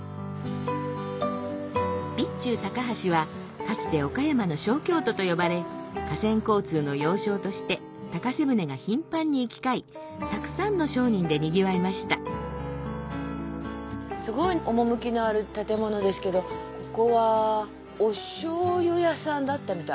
備中高梁はかつて岡山の小京都と呼ばれ河川交通の要衝として高瀬舟が頻繁に行き交いたくさんの商人でにぎわいましたすごい趣のある建物ですけどここはお醤油屋さんだったみたい。